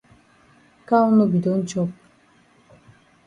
Cow no be don chop.